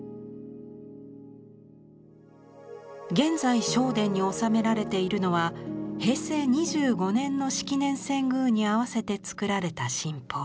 現在正殿に納められているのは平成２５年の式年遷宮に合わせて作られた神宝。